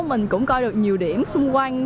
mình cũng coi được nhiều điểm xung quanh